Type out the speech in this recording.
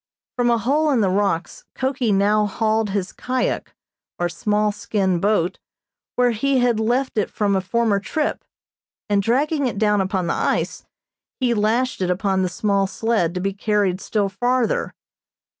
From a hole in the rocks Koki now hauled his kyak or small skin boat, where he had left it from a former trip, and dragging it down upon the ice, he lashed it upon the small sled to be carried still farther.